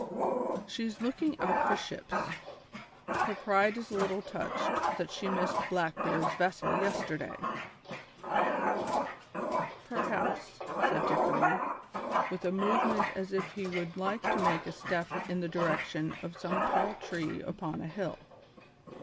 "She's looking out for ships; her pride is a little touched that she missed Blackbeard's vessel yesterday." "Perhaps," said Dickory, with a movement as if he would like to make a step in the direction of some tall tree upon a hill.